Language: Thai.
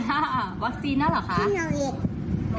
ลงทะเบียนให้ป๊าฉีด